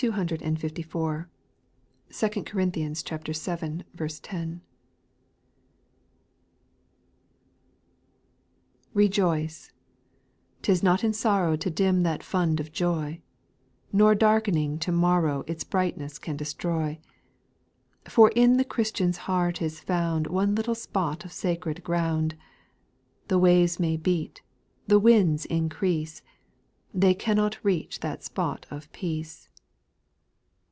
2 Corinthians vii. 10. 1. "p E JOICE,— 't is not in sorrow x\) To dim that fund of joy ; No darkening to morrow Its brightness can desti*oy. For in the Christian's heart is found One little spot of sacred ground, — The waves may beat, the winds increase, They cannot reach that spot of peace.